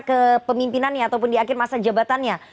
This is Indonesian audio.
kepemimpinannya ataupun di akhir masa jabatannya